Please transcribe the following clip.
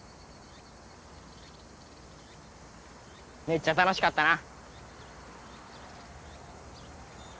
めっちゃ楽しかったな。